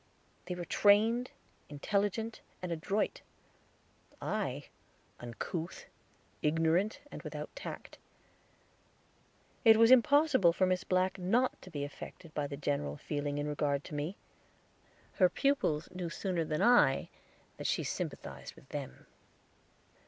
They were trained, intelligent, and adroit; I uncouth, ignorant, and without tact. It was impossible for Miss Black not to be affected by the general feeling in regard to me. Her pupils knew sooner than I that she sympathized with them.